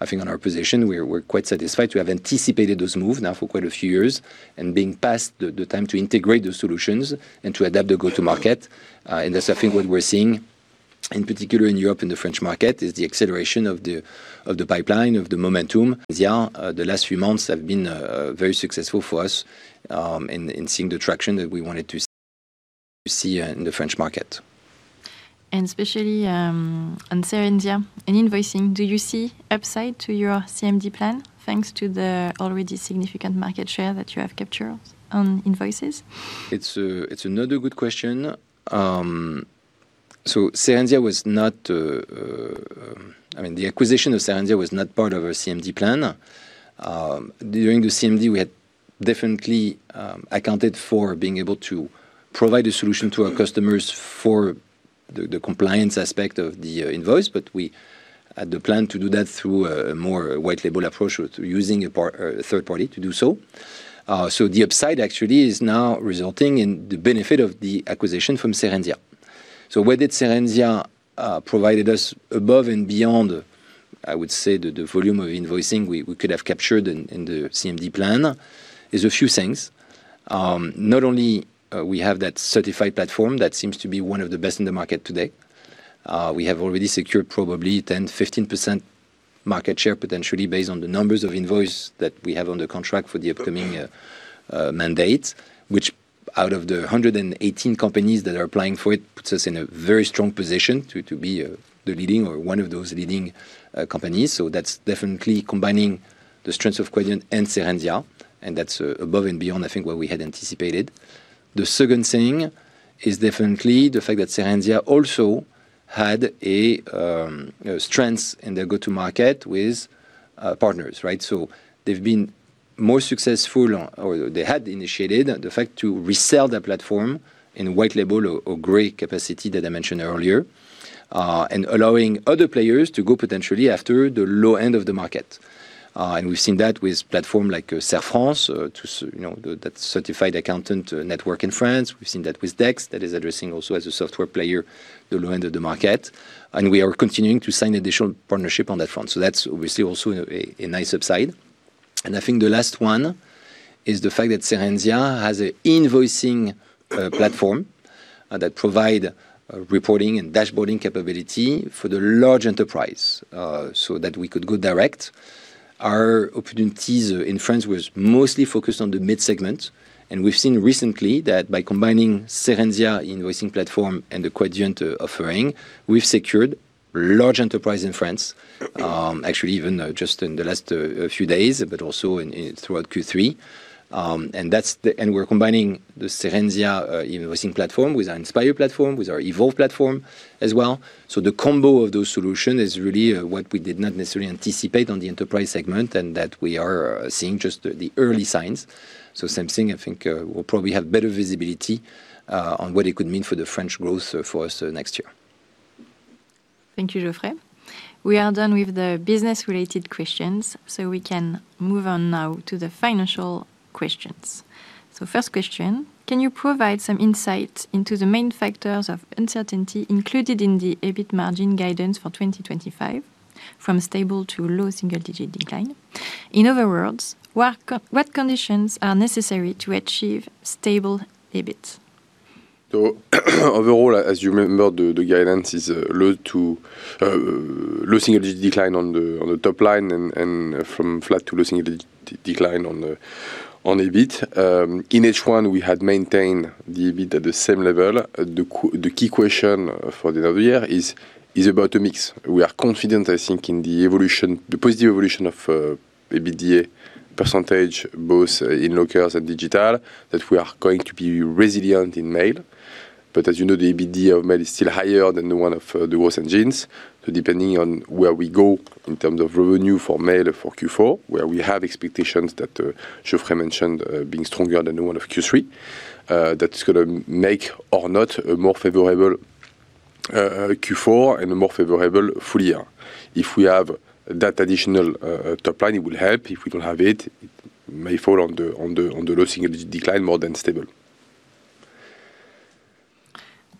I think on our position, we're quite satisfied to have anticipated those moves now for quite a few years and being past the time to integrate those solutions and to adapt the go-to-market. That's, I think, what we're seeing in particular in Europe and the French market is the acceleration of the pipeline of the momentum. The last few months have been very successful for us in seeing the traction that we wanted to see in the French market. Especially on Saranzia and invoicing, do you see upside to your CMD plan thanks to the already significant market share that you have captured on invoices? It's another good question. Saranzia was not, I mean, the acquisition of Saranzia was not part of our CMD plan. During the CMD, we had definitely accounted for being able to provide a solution to our customers for the compliance aspect of the invoice, but we had the plan to do that through a more white-label approach or using a third party to do so. The upside actually is now resulting in the benefit of the acquisition from Saranzia. What Saranzia provided us above and beyond, I would say, the volume of invoicing we could have captured in the CMD plan is a few things. Not only do we have that certified platform that seems to be one of the best in the market today. We have already secured probably 10%-15% market share potentially based on the numbers of invoices that we have on the contract for the upcoming mandate, which out of the 118 companies that are applying for it puts us in a very strong position to be the leading or one of those leading companies. That is definitely combining the strengths of Quadient and Saranzia, and that is above and beyond, I think, what we had anticipated. The second thing is definitely the fact that Saranzia also had a strength in their go-to-market with partners, right? They have been more successful, or they had initiated the fact to resell that platform in white-label or gray capacity that I mentioned earlier and allowing other players to go potentially after the low end of the market. We have seen that with a platform like Serre France, that certified accountant network in France. We've seen that with Dex that is addressing also as a software player the low end of the market. We are continuing to sign additional partnerships on that front. That's obviously also a nice upside. I think the last one is the fact that Saranzia has an invoicing platform that provides reporting and dashboarding capability for the large enterprise so that we could go direct. Our opportunities in France were mostly focused on the mid-segment. We've seen recently that by combining Saranzia invoicing platform and the Quadient offering, we've secured large enterprise in France, actually even just in the last few days, but also throughout Q3. We're combining the Saranzia invoicing platform with our Inspire platform, with our Evolve platform as well. The combo of those solutions is really what we did not necessarily anticipate on the enterprise segment and that we are seeing just the early signs. Same thing, I think we'll probably have better visibility on what it could mean for the French growth for us next year. Thank you, Geoffrey. We are done with the business-related questions, so we can move on now to the financial questions. First question, can you provide some insight into the main factors of uncertainty included in the EBIT margin guidance for 2025 from stable to low single-digit decline? In other words, what conditions are necessary to achieve stable EBIT? Overall, as you remember, the guidance is low single-digit decline on the top line and from flat to low single-digit decline on EBIT. In H1, we had maintained the EBIT at the same level. The key question for the end of the year is about a mix. We are confident, I think, in the evolution, the positive evolution of EBITDA percentage, both in lockers and digital, that we are going to be resilient in mail. As you know, the EBITDA of mail is still higher than the one of the growth engines. So depending on where we go in terms of revenue for mail for Q4, where we have expectations that Geoffrey mentioned being stronger than the one of Q3, that is going to make or not a more favorable Q4 and a more favorable full year. If we have that additional top line, it will help. If we don't have it, it may fall on the low single-digit decline more than stable.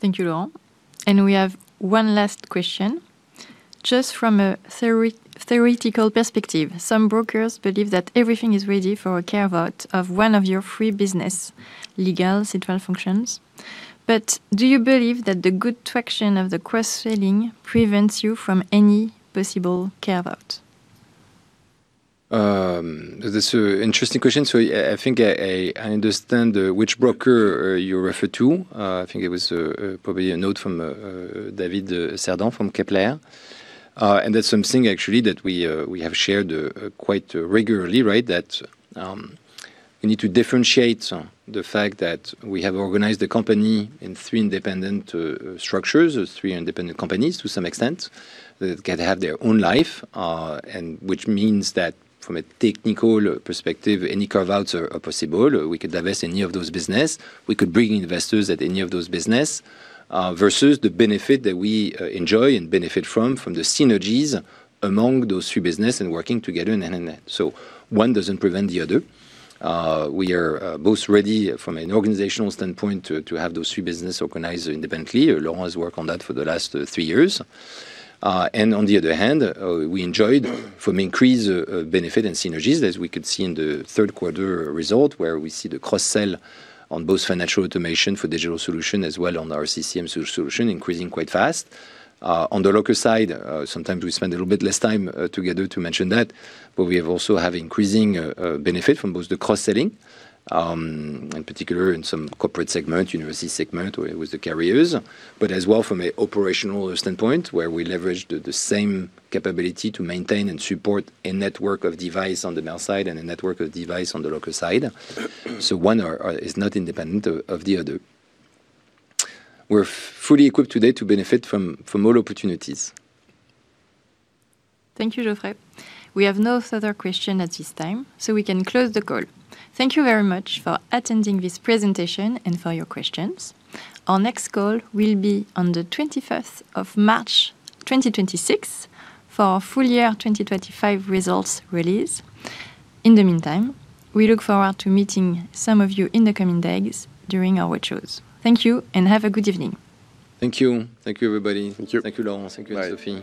Thank you, Laurent. We have one last question. Just from a theoretical perspective, some brokers believe that everything is ready for a carve-out of one of your three business legal central functions. Do you believe that the good traction of the cross-selling prevents you from any possible carve-out? That's an interesting question. I think I understand which broker you referred to. I think it was probably a note from David Cerdon from Kepler. That's something actually that we have shared quite regularly, right, that we need to differentiate the fact that we have organized the company in three independent structures, three independent companies to some extent that can have their own life, which means that from a technical perspective, any carve-outs are possible. We could divest any of those businesses. We could bring investors at any of those businesses versus the benefit that we enjoy and benefit from the synergies among those three businesses and working together in an end. One doesn't prevent the other. We are both ready from an organizational standpoint to have those three businesses organized independently. Laurent has worked on that for the last three years. On the other hand, we enjoyed increased benefit and synergies as we could see in the third quarter result where we see the cross-sell on both financial automation for digital solutions as well as on our CCM solution increasing quite fast. On the locker side, sometimes we spend a little bit less time together to mention that, but we have also had increasing benefit from both the cross-selling, in particular in some corporate segment, university segment with the carriers, as well as from an operational standpoint where we leverage the same capability to maintain and support a network of devices on the Mail Solutions side and a network of devices on the locker side. One is not independent of the other. We're fully equipped today to benefit from all opportunities. Thank you, Geoffrey. We have no further questions at this time, so we can close the call. Thank you very much for attending this presentation and for your questions. Our next call will be on the 25th of March 2026 for our full year 2025 results release. In the meantime, we look forward to meeting some of you in the coming days during our shows. Thank you and have a good evening. Thank you. Thank you, everybody. Thank you, Laurent. Thank you, Sophie.